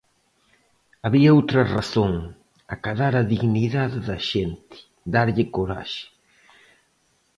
Había outra razón: acadar a dignidade da xente, darlle coraxe.